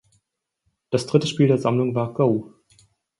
Das dritte Spiel der Sammlung war Go!